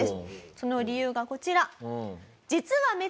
その理由がこちら。